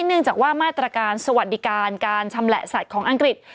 เนื่องจากว่ามาตรการสวัสดิการการชำแหละสัตว์ของอังกฤษ